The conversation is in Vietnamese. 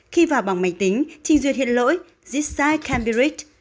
khi vào bằng máy tính trình duyệt hiện lỗi this site can t be reached